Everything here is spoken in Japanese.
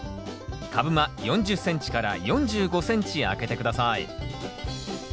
株間４０ｃｍ４５ｃｍ空けて下さい。